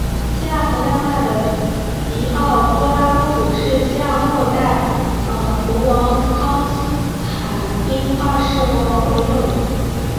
希腊和丹麦的狄奥多拉公主是希腊未代国王康斯坦丁二世和王后的幼女。